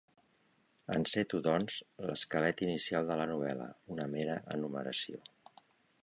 Enceto, doncs, l'esquelet inicial de la novel·la, una mera enumeració.